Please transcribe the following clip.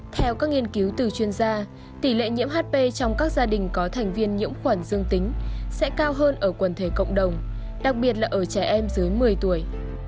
theo các nghiên cứu từ chuyên gia tỷ lệ nhiễm hp trong các gia đình có thành viên nhiễm khuẩn dương tính sẽ cao hơn ở quần thể cộng đồng đặc biệt là ở trẻ em dưới một mươi tuổi